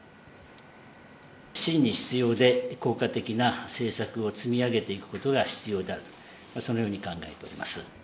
真に必要で、効果的な政策を積み上げていくことが必要である、そのように考え